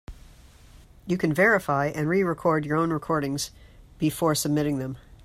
You can verify and re-record your own recordings before submitting them.